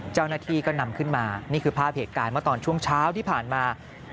เจ้าหน้าที่ก็นำขึ้นมานี่คือภาพเหตุการณ์เมื่อตอนช่วงเช้าที่ผ่านมา